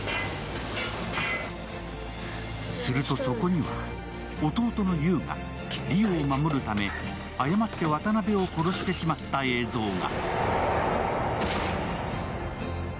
すると、そこには弟の優が梨央を守るため誤って渡辺を殺してしまった映像が。